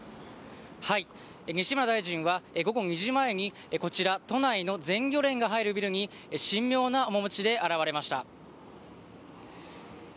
西村大臣は午後２時前にこちら、都内の全漁連が入るビルに神妙な面持ちで現れました。